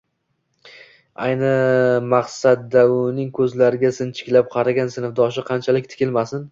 Ayni maqsaddauning ko'zlariga sinchiklab qaragan sinfdoshi qanchalik tikilmasin